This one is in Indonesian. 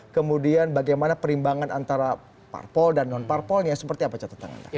kemudian bagaimana perimbangan antara parpol dan non parpolnya seperti apa catatan anda